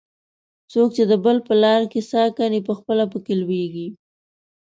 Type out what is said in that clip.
څوک چې د بل په لار کې څا کیني؛ پخپله په کې لوېږي.